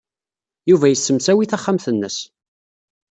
Yuba yessemsawi taxxamt-nnes.